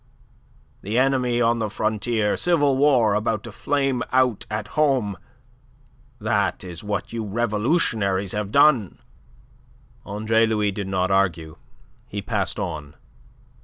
The enemy on the frontier; civil war about to flame out at home. That is what you revolutionaries have done." Andre Louis did not argue. He passed on.